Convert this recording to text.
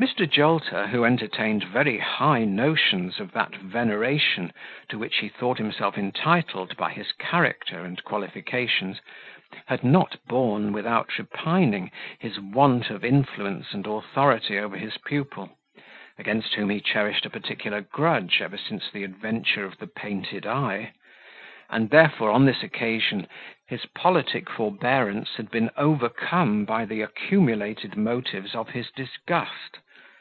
Mr. Jolter, who entertained very high notions of that veneration to which he thought himself entitled by his character and qualifications, had not borne, without repining, his want of influence and authority over his pupil, against whom he cherished a particular grudge ever since the adventure of the painted eye; and therefore, on this occasion, his politic forbearance had been overcome by the accumulated motives of his disgust.